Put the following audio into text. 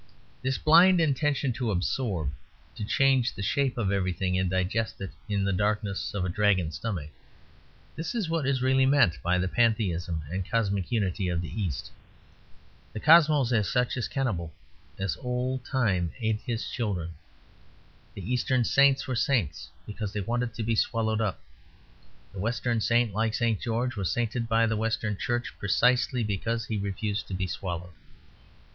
This blind intention to absorb, to change the shape of everything and digest it in the darkness of a dragon's stomach; this is what is really meant by the Pantheism and Cosmic Unity of the East. The Cosmos as such is cannibal; as old Time ate his children. The Eastern saints were saints because they wanted to be swallowed up. The Western saint, like St. George, was sainted by the Western Church precisely because he refused to be swallowed.